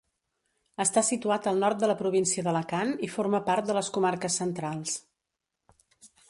Està situat al nord de la província d'Alacant i forma part de les Comarques Centrals.